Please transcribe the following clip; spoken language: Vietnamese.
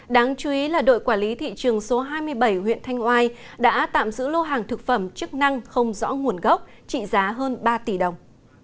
đáng chú ý là đội quản lý thị trường số hai mươi bảy huyện thanh oai đã tạm giữ lô hàng thực phẩm chức năng không rõ nguồn gốc trị giá hơn ba tỷ đồng